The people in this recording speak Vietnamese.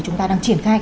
chúng ta đang triển khai